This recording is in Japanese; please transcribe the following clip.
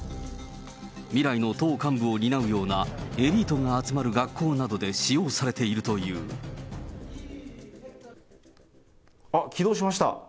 未来の党幹部を担うようなエリートが集まる学校などで使用されてあっ、起動しました。